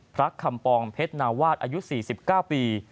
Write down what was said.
คำปองเพชรนาวาสอายุ๔๙ปี